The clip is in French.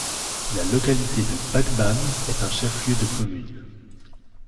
La localité de Gbagbam est un chef-lieu de commune.